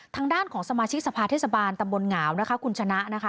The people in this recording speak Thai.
ทางด้านของสมาชิกสภาเทศบาลตำบลเหงาวนะคะคุณชนะนะคะ